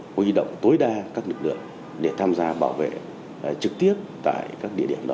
quy động tối đa các lực lượng để tham gia bảo vệ trực tiếp tại các địa điểm đó